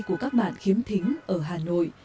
của các bạn khiếm thính ở hà nội